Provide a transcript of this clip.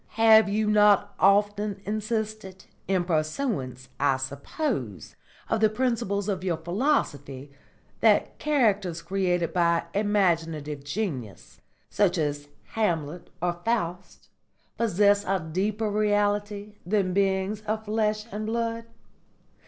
Have you not often insisted, in pursuance, I suppose, of the principles of your philosophy, that characters created by imaginative genius, such as Hamlet or Faust, possess a deeper reality than beings of flesh and blood?